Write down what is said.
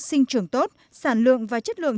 sinh trưởng tốt sản lượng và chất lượng